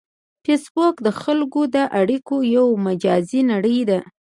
فېسبوک د خلکو د اړیکو یو مجازی نړۍ ده